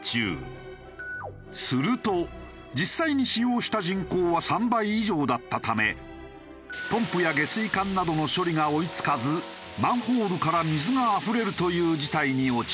すると実際に使用した人口は３倍以上だったためポンプや下水管などの処理が追い付かずマンホールから水があふれるという事態に陥った。